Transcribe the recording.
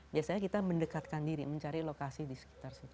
biasanya kita mendekatkan diri mencari lokasi di sekitar situ